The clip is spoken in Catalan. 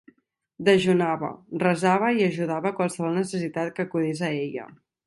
Dejunava, resava i ajudava a qualsevol necessitat que acudís a ella.